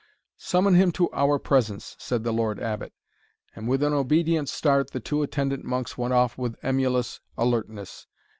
"Summon him to our presence," said the Lord Abbot; and with an obedient start the two attendant monks went off with emulous alertness.